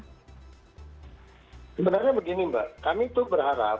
sebenarnya begini mbak kami itu berharap